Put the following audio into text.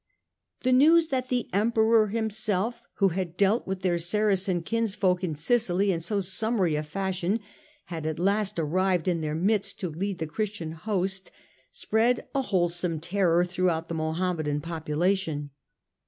The news that the Emperor himself, who had dealt with their Saracen kinsfolk in Sicily in so summary a fashion, had at last arrived in their midst to lead the Christian host, spread a wholesome terror throughout the Mohammedan population.